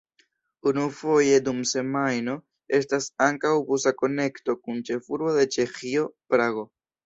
Unufoje dum semajno estas ankaŭ busa konekto kun ĉefurbo de Ĉeĥio, Prago.